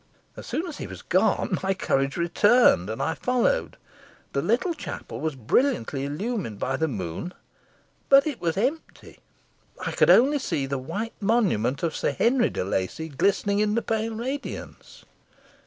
As soon as he was gone my courage returned, and I followed. The little chapel was brilliantly illuminated by the moon; but it was empty. I could only see the white monument of Sir Henry de Lacy glistening in the pale radiance."